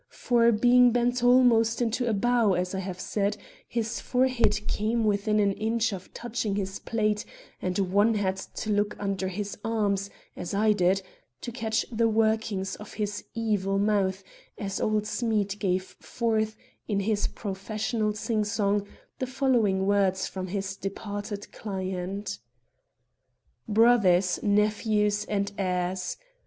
For, being bent almost into a bow, as I have said, his forehead came within an inch of touching his plate, and one had to look under his arms, as I did, to catch the workings of his evil mouth, as old Smead gave forth, in his professional sing song, the following words from his departed client: "Brothers, nephews and heirs!